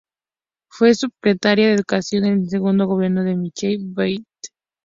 Fue subsecretaria de Educación en el Segundo gobierno de Michelle Bachelet.